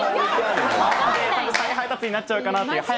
多分再配達になっちゃうかなっていう。